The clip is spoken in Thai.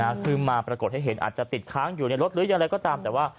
คือมาปรากฏให้เห็นอาจจะติดค้างอยู่ในรถหรือยังไงก็ตามแต่ว่า